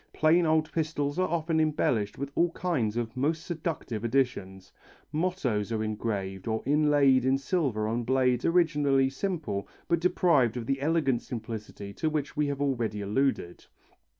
Plain old pistols are often embellished with all kinds of most seductive additions. Mottoes are engraved or inlaid in silver on blades originally simple but deprived of the elegant simplicity to which we have already alluded.